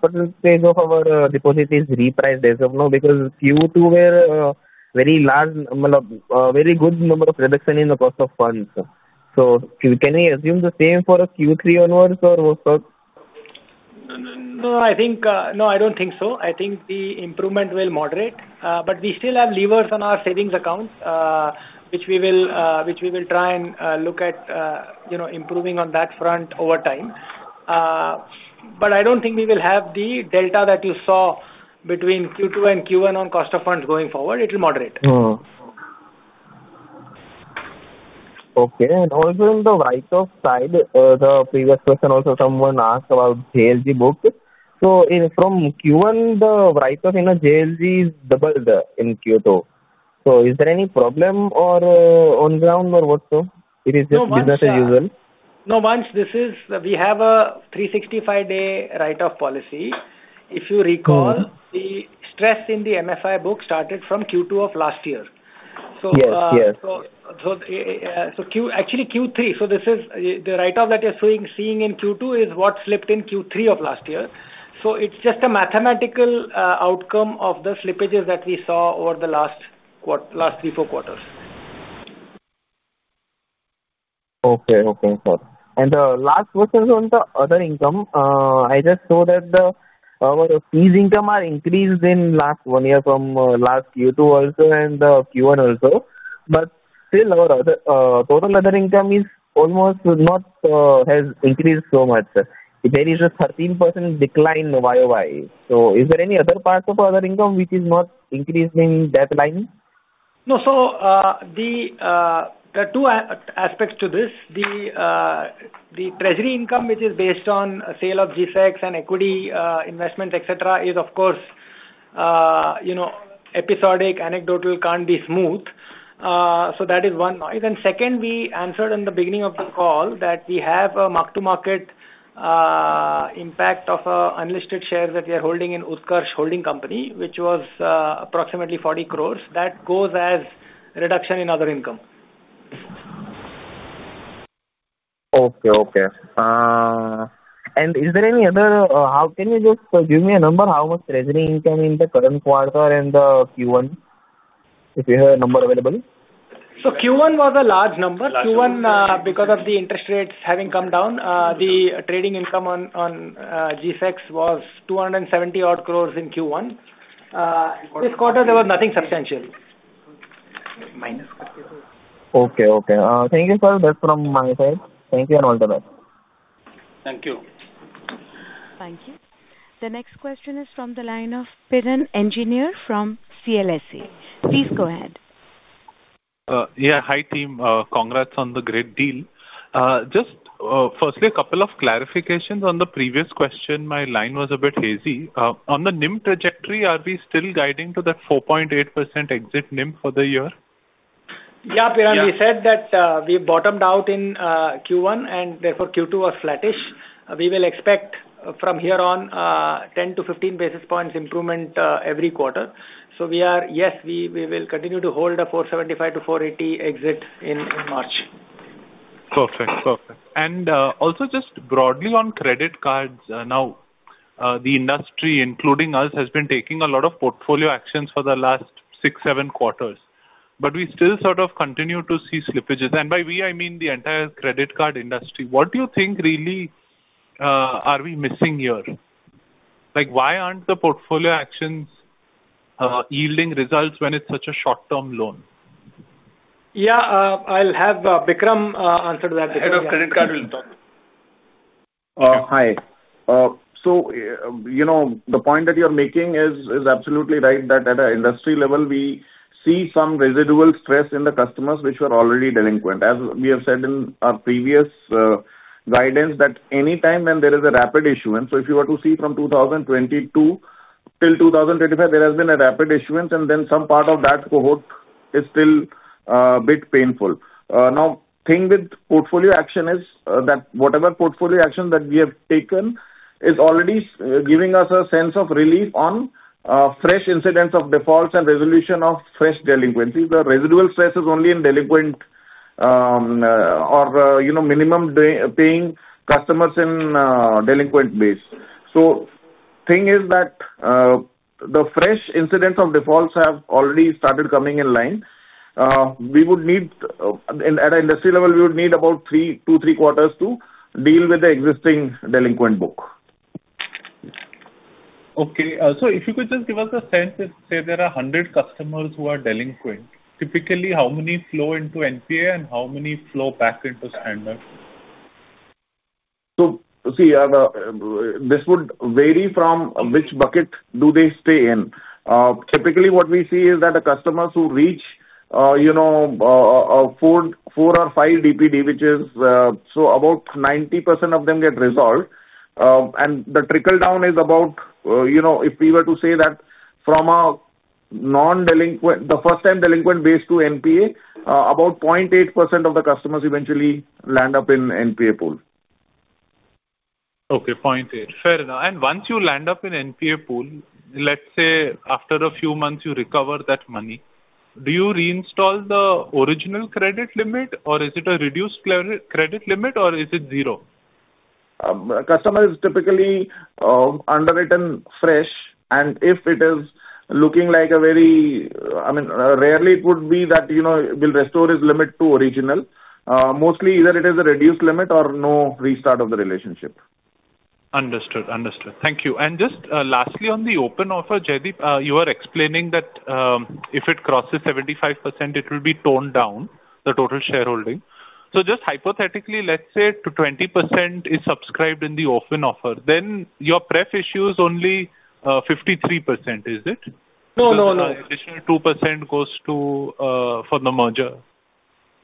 percentage of our deposit is repriced? I don't know because Q2 was a very large, very good number of reduction in the cost of funds. Can we assume the same for Q3 onwards? I don't think so. I think the improvement will moderate. We still have levers on our savings accounts, which we will try and look at, you know, improving on that front over time. I don't think we will have the delta that you saw between Q2 and Q1 on cost of funds going forward. It will moderate. Okay. Also, on the write-off side, the previous question, someone asked about the JLG book. From Q1, the write-off in JLG has doubled in Q2. Is there any problem on the ground, or is it just business as usual? No, Vansh, this is, we have a 365-day write-off policy. If you recall, the stress in the MFI portfolio started from Q2 of last year. Yes, yes. This is the write-off that you're seeing in Q2, which slipped in Q3 of last year. It's just a mathematical outcome of the slippages that we saw over the last three or four quarters. Okay, sir. The last question is on the other income. I just saw that our fees income has increased in the last one year from last Q2 also and the Q1 also. Still, our total other income is almost not, has increased so much. There is a 13% decline in the YOI. Is there any other part of other income which is not increased in that line? No. There are two aspects to this. The treasury income, which is based on sale of G-Sec and equity investments, etc., is, of course, you know, episodic, anecdotal, can't be smooth. That is one. We answered in the beginning of the call that we have a mark-to-market impact of unlisted shares that we are holding in Utkarsh Holding Company, which was approximately 40 crore. That goes as a reduction in other income. Okay. Is there any other, how can you just give me a number? How much treasury income in the current quarter and the Q1? If you have a number available. Q1 was a large number. Q1, because of the interest rates having come down, the trading income on G-Sec was 270 crore in Q1. This quarter, there was nothing substantial. Okay, okay. Thank you, sir. That's from my side. Thank you and all the best. Thank you. Thank you. The next question is from the line of Piran Engineer from CLSA. Please go ahead. Yeah, hi, team. Congrats on the great deal. Just firstly, a couple of clarifications on the previous question. My line was a bit hazy. On the NIM trajectory, are we still guiding to that 4.8% exit NIM for the year? Yeah, Piran, we said that we bottomed out in Q1, and therefore, Q2 was flattish. We will expect from here on 10-15 basis points improvement every quarter. Yes, we will continue to hold a 475-480 exit in March. Perfect, perfect. Also, just broadly on credit cards, now the industry, including us, has been taking a lot of portfolio actions for the last six or seven quarters. We still sort of continue to see slippages. By we, I mean the entire credit card industry. What do you think really are we missing here? Why aren't the portfolio actions yielding results when it's such a short-term loan? Yeah, I'll have Bikram answer to that. Bikram, credit card will. Hi. The point that you're making is absolutely right that at an industry level, we see some residual stress in the customers which were already delinquent. As we have said in our previous guidance, anytime when there is a rapid issuance, if you were to see from 2022 till 2025, there has been a rapid issuance, and some part of that cohort is still a bit painful. The thing with portfolio action is that whatever portfolio action that we have taken is already giving us a sense of relief on fresh incidents of defaults and resolution of fresh delinquencies. The residual stress is only in delinquent or minimum paying customers in the delinquent base. The fresh incidents of defaults have already started coming in line. We would need, and at an industry level, we would need about two, three quarters to deal with the existing delinquent book. Okay. If you could just give us a sense, say there are 100 customers who are delinquent, typically, how many flow into NPA and how many flow back into standard? This would vary from which bucket do they stay in. Typically, what we see is that the customers who reach, you know, four or five DPD, which is about 90% of them, get resolved. The trickle down is about, you know, if we were to say that from a non-delinquent, the first-time delinquent base to NPA, about 0.8% of the customers eventually land up in NPA pool. Okay, 0.8. Fair enough. Once you land up in NPA pool, let's say after a few months, you recover that money. Do you reinstall the original credit limit, or is it a reduced credit limit, or is it zero? Customers typically underwritten fresh. If it is looking like a very, I mean, rarely it would be that, you know, it will restore its limit to original. Mostly, either it is a reduced limit or no restart of the relationship. Understood, understood. Thank you. Just lastly, on the open offer, Jaideep, you were explaining that if it crosses 75%, it will be toned down, the total shareholding. Just hypothetically, let's say 20% is subscribed in the open offer. Your pref issues only 53%, is it? No, no, no. The additional 2% goes to the merger?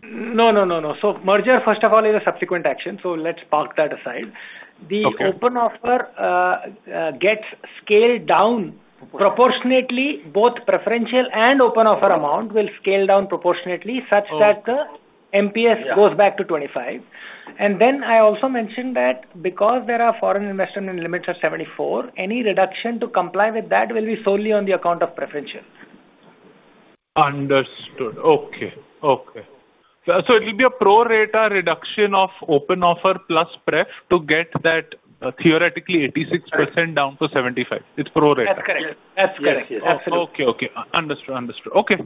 Merger, first of all, is a subsequent action. Let's park that aside. The open offer gets scaled down proportionately. Both preferential and open offer amount will scale down proportionately such that the MPS goes back to 25%. I also mentioned that because there are foreign investment limits at 74%, any reduction to comply with that will be solely on the account of preferential. Understood. Okay, okay. It will be a pro-rata reduction of open offer plus pref to get that theoretically 86% down to 75%. It's pro-rata. That's correct. That's correct. Okay, understood. Okay,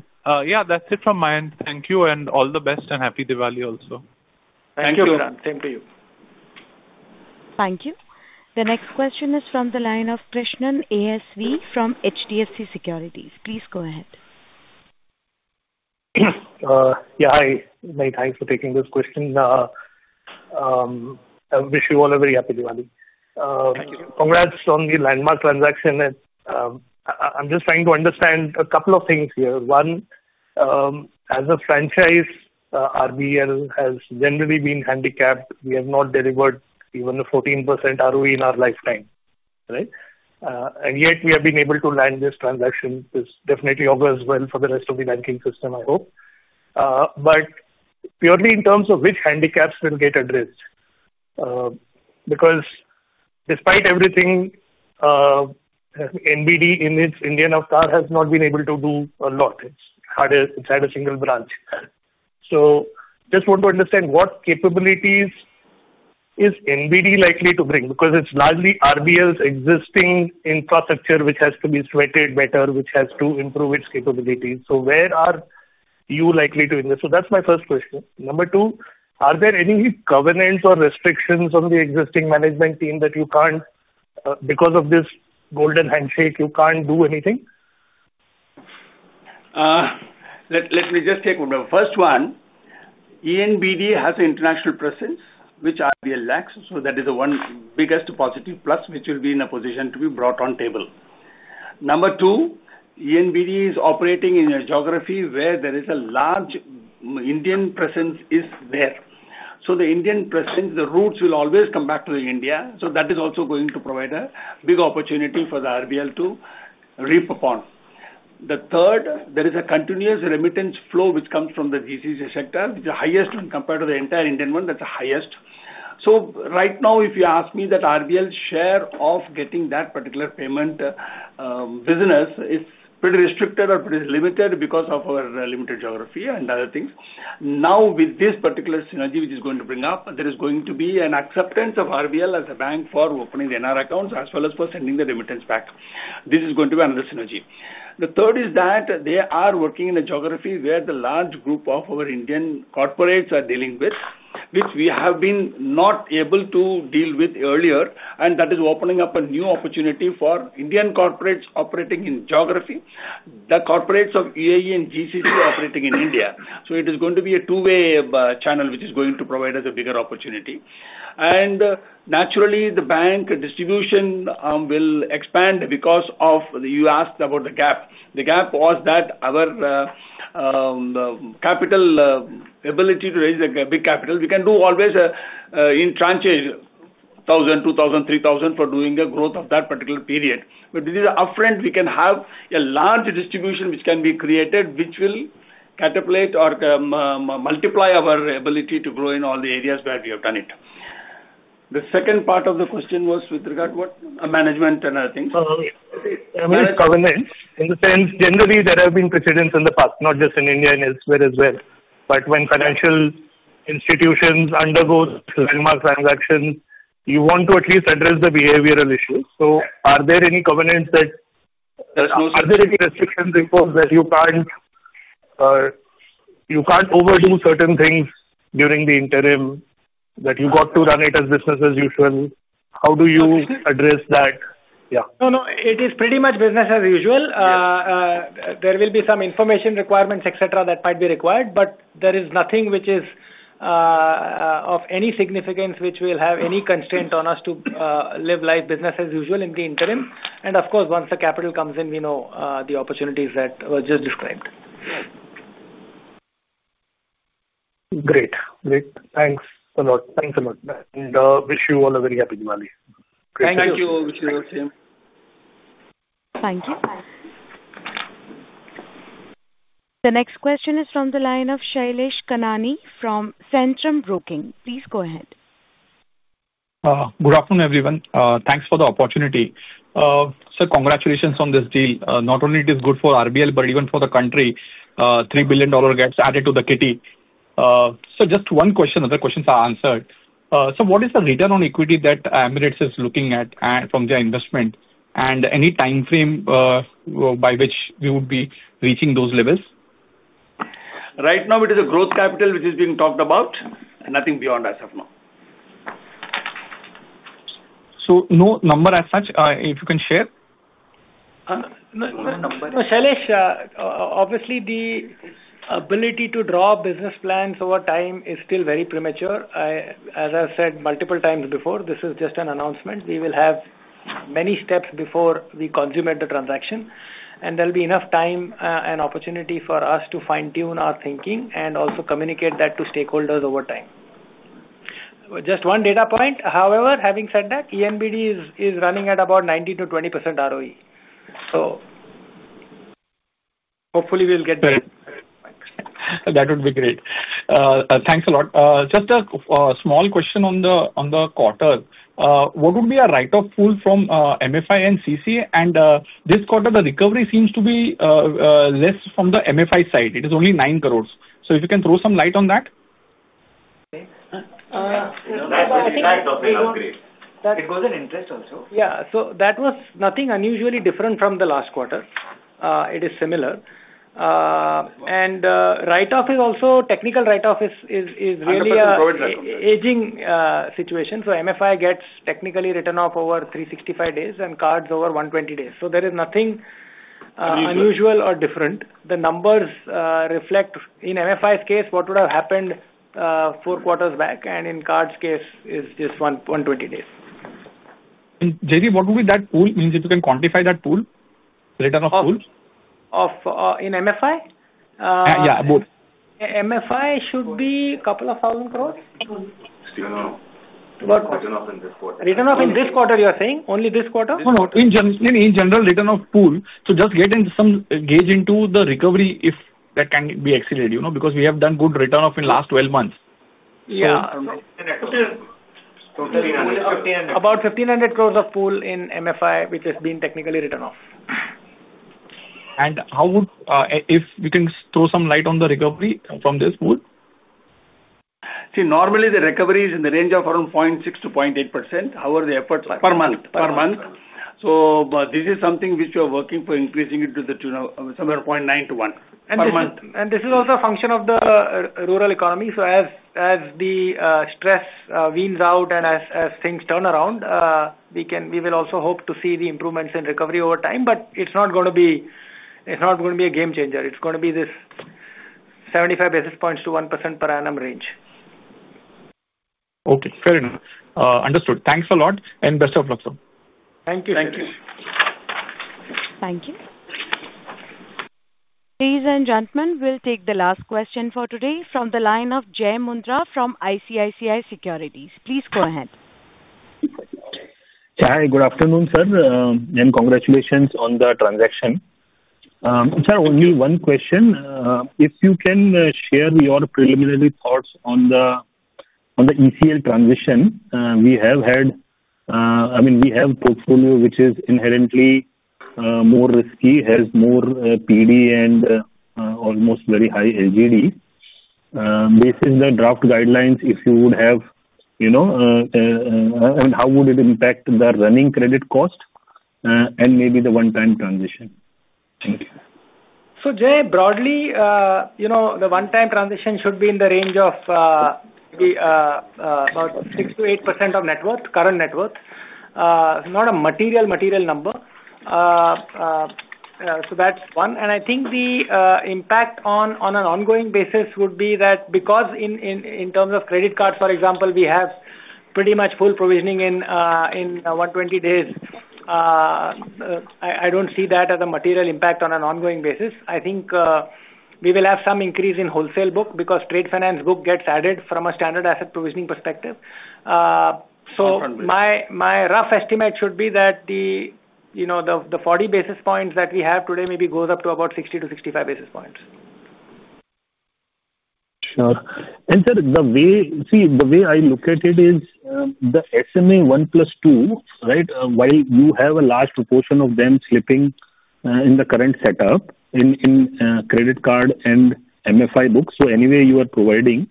that's it from my end. Thank you and all the best and happy Diwali also. Thank you, Piran. Same to you. Thank you. The next question is from the line of Krishnan ASV from HDFC Securities. Please go ahead. Yeah, hi. Many thanks for taking this question. I wish you all a very happy Diwali. Thank you. Congrats on the landmark transaction. I'm just trying to understand a couple of things here. One, as a franchise, RBL Bank has generally been handicapped. We have not delivered even a 14% ROE in our lifetime, right? Yet we have been able to land this transaction. This definitely augurs well for the rest of the banking system, I hope. Purely in terms of which handicaps will get addressed, because despite everything, Emirates NBD in its Indian avatar has not been able to do a lot. It's had a single branch. I just want to understand what capabilities Emirates NBD is likely to bring because it's largely RBL Bank's existing infrastructure which has to be threaded better, which has to improve its capabilities. Where are you likely to invest? That's my first question. Number two, are there any covenants or restrictions on the existing management team that you can't, because of this golden handshake, you can't do anything? Let me just take a moment. First one, Emirates NBD has an international presence, which RBL Bank lacks. That is the one biggest positive plus, which will be in a position to be brought on table. Number two, Emirates NBD is operating in a geography where there is a large Indian presence there. The Indian presence, the roots will always come back to India. That is also going to provide a big opportunity for RBL Bank to reap upon. The third, there is a continuous remittance flow which comes from the GCC sector, which is the highest compared to the entire Indian one. That's the highest. Right now, if you ask me, RBL Bank's share of getting that particular payment business is pretty restricted or pretty limited because of our limited geography and other things. Now, with this particular synergy, which is going to bring up, there is going to be an acceptance of RBL Bank as a bank for opening the NR accounts as well as for sending the remittance back. This is going to be another synergy. The third is that they are working in a geography where the large group of our Indian corporates are dealing with, which we have been not able to deal with earlier. That is opening up a new opportunity for Indian corporates operating in geography, the corporates of UAE and GCC operating in India. It is going to be a two-way channel, which is going to provide us a bigger opportunity. Naturally, the bank distribution will expand because of the, you asked about the gap. The gap was that our capital ability to raise a big capital, we can do always in tranches, 1,000, 2,000, 3,000 for doing a growth of that particular period. With the upfront, we can have a large distribution which can be created, which will catapult or multiply our ability to grow in all the areas where we have done it. The second part of the question was with regard to what management and other things. I mean, covenants, in the sense, generally, there have been precedents in the past, not just in India and elsewhere as well. When financial institutions undergo landmark transactions, you want to at least address the behavioral issues. Are there any covenants, are there any restrictions in form that you can't overdo certain things during the interim, that you got to run it as business as usual? How do you address that? Yeah. No, it is pretty much business as usual. There will be some information requirements, etc., that might be required. There is nothing which is of any significance which will have any constraint on us to live life business as usual in the interim. Of course, once the capital comes in, we know the opportunities that were just described. Great, great. Thanks a lot. Thanks a lot. I wish you all a very happy Diwali. Thank you. Thank you. Thank you. Thank you. The next question is from the line of Shailesh Kanani from Centrum Broking. Please go ahead. Good afternoon, everyone. Thanks for the opportunity. Sir, congratulations on this deal. Not only is it good for RBL Bank, but even for the country, $3 billion gets added to the kitty. Sir, just one question. Other questions are answered. Sir, what is the return on equity that Emirates NBD is looking at from their investment? Any timeframe by which we would be reaching those levels? Right now, it is a growth capital which is being talked about. Nothing beyond as of now. No number as such, if you can share? Shailesh, obviously, the ability to draw business plans over time is still very premature. As I've said multiple times before, this is just an announcement. We will have many steps before we consummate the transaction. There will be enough time and opportunity for us to fine-tune our thinking and also communicate that to stakeholders over time. Just one data point. However, having said that, Emirates NBD is running at about 19%-20% ROE. Hopefully, we'll get there. That would be great. Thanks a lot. Just a small question on the quarter. What would be a write-off pool from MFI and CC? This quarter, the recovery seems to be less from the MFI side. It is only 9 crore. If you can throw some light on that. Okay, I think it goes in interest also. Yeah. That was nothing unusually different from the last quarter. It is similar. Write-off is also technical write-off; it is really an aging situation. MFI gets technically written off over 365 days and cards over 120 days. There is nothing unusual or different. The numbers reflect, in MFI's case, what would have happened four quarters back. In cards' case, it's just 120 days. Jaideep, what would be that pool? If you can quantify that pool, the return of pool? In MFI? Yeah, both. MFI should be a couple of thousand crores. Right? Still, no. What? Return of in this quarter. Return of in this quarter, you're saying? Only this quarter? No, in general, return of pool. Just get in some gauge into the recovery if that can be exceeded, you know, because we have done good return of in the last 12 months. Yeah. Yeah. About 1,500 crore of pool in MFI, which has been technically written off. If we can throw some light on the recovery from this pool? See, normally, the recovery is in the range of around 0.6% to 0.8%. However, the efforts are. Per month. Per month, this is something which we are working for, increasing it to somewhere 0.9 to 1 per month. This is also a function of the rural economy. As the stress weans out and as things turn around, we will also hope to see the improvements in recovery over time. It's not going to be a game changer. It's going to be this 75 basis points to 1% per annum range. Okay. Fair enough. Understood. Thanks a lot. Best of luck, sir. Thank you, sir. Thank you. Thank you. Ladies and gentlemen, we'll take the last question for today from the line of Jai Mundhra from ICICI Securities. Please go ahead. Yeah, hi. Good afternoon, sir. Congratulations on the transaction. Sir, only one question. If you can share your preliminary thoughts on the ECL transition, we have had, I mean, we have a portfolio which is inherently more risky, has more PD, and almost very high LGD. Based on the draft guidelines, if you would have, you know, how would it impact the running credit cost and maybe the one-time transition? Jai, broadly, you know, the one-time transition should be in the range of maybe about 6%-8% of net worth, current net worth. Not a material, material number. That's one. I think the impact on an ongoing basis would be that because in terms of credit cards, for example, we have pretty much full provisioning in 120 days. I don't see that as a material impact on an ongoing basis. I think we will have some increase in wholesale book because trade finance book gets added from a standard asset provisioning perspective. My rough estimate should be that the, you know, the 40 basis points that we have today maybe goes up to about 60-65 basis points. Sure. Sir, the way I look at it is the SMA 1 + 2, right, while you have a large proportion of them slipping in the current setup in credit card and MFI books. Anyway, you are providing,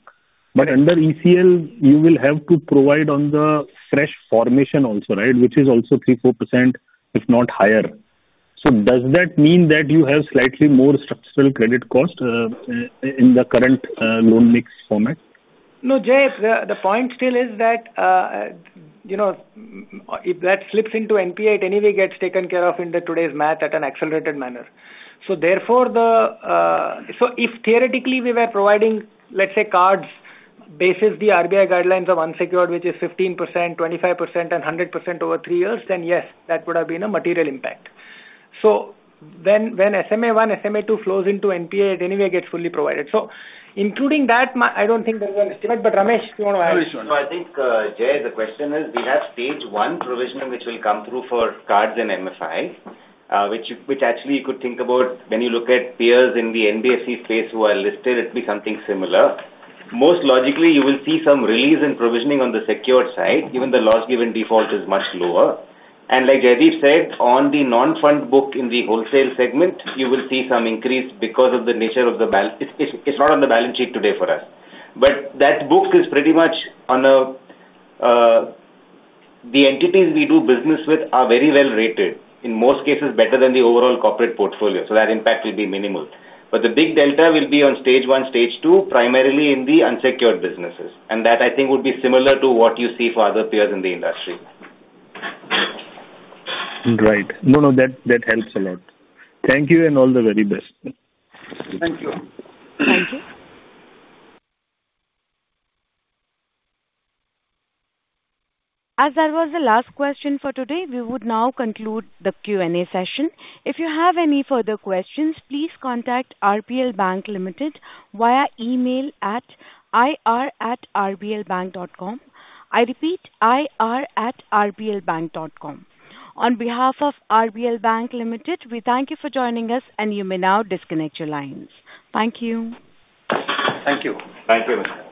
but under ECL, you will have to provide on the fresh formation also, right, which is also 3%-4%, if not higher. Does that mean that you have slightly more structural credit cost in the current loan mix format? No, Jai, the point still is that, you know, if that slips into NPA, it anyway gets taken care of in today's math at an accelerated manner. Therefore, if theoretically we were providing, let's say, cards basis the RBI guidelines of unsecured, which is 15%, 25%, and 100% over three years, then yes, that would have been a material impact. When SMA 1, SMA 2 flows into NPA, it anyway gets fully provided. Including that, I don't think there's an estimate. Ramesh, do you want to add? I think, Jai, the question is we have stage one provisioning which will come through for cards in MFI, which actually you could think about when you look at peers in the NBFC space who are listed. It would be something similar. Most logically, you will see some release in provisioning on the secured side. Even the loss given default is much lower. Like Jaideep said, on the non-fund book in the wholesale segment, you will see some increase because of the nature of the balance. It's not on the balance sheet today for us. That book is pretty much on a, the entities we do business with are very well rated. In most cases, better than the overall corporate portfolio. That impact will be minimal. The big delta will be on stage one, stage two, primarily in the unsecured businesses. That I think would be similar to what you see for other peers in the industry. Right. No, no, that helps a lot. Thank you and all the very best. Thank you. Thank you. As that was the last question for today, we would now conclude the Q&A session. If you have any further questions, please contact RBL Bank via email at ir@rblbank.com. I repeat, ir@rblbank.com. On behalf of RBL Bank, we thank you for joining us, and you may now disconnect your lines. Thank you. Thank you. Thank you very much.